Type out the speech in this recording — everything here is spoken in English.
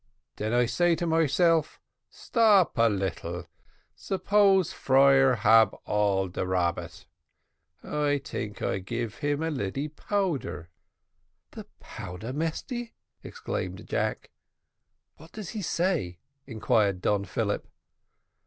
Den I say to myself, stop a little; suppose friar hab all de rabbit, I tink I give him a lilly powder." "The powder, Mesty?" exclaimed Jack. "What does he say?" inquired Don Philip.